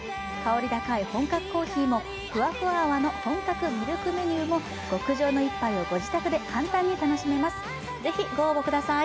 香り高い本格コーヒーも、ふわふわ泡の本格ミルクメニューも、極上の一杯をご自宅で簡単に楽しめます。